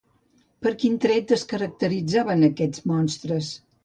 Per quin tret es caracteritzaven aquests monstres?